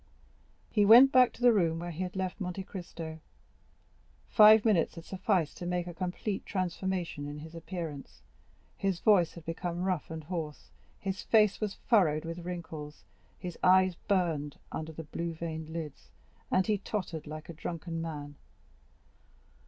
He went back to the room where he had left Monte Cristo. Five minutes had sufficed to make a complete transformation in his appearance. His voice had become rough and hoarse; his face was furrowed with wrinkles; his eyes burned under the blue veined lids, and he tottered like a drunken man.